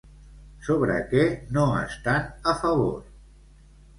Sobre què no estan a favor?